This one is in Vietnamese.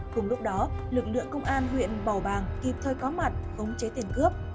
cùng lúc đó lực lượng công an huyện bảo bàng kịp thời có mặt khống chế tiền cướp